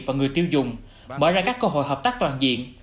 và người tiêu dùng mở ra các cơ hội hợp tác toàn diện